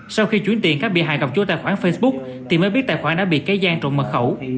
sau khi chuyển tiền các bị hại gặp chủ tài khoản facebook thì mới biết tài khoản đã bị cây gian trộn mật khẩu